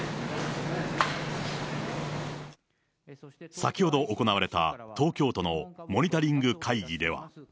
先ほど行われた東京都のモニタリング会議では。